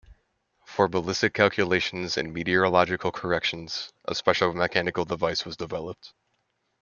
For ballistic calculations and meteorological corrections a special mechanical device was developed.